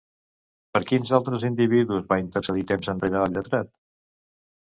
Per quins altres individus va intercedir temps enrere el lletrat?